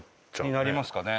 になりますかね。